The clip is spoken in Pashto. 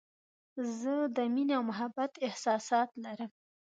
زه د مینې او محبت احساسات لري.